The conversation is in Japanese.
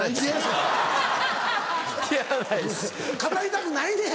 語りたくないねん！